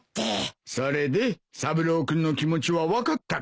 それで三郎君の気持ちは分かったか。